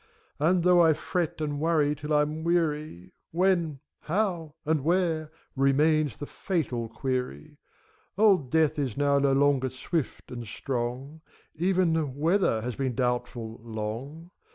And though I fret and worry till I'm weary. When? How? and Where? remains the fatal query: Old Death is now no longer swift and strong; Even the Whether has been doubtful long.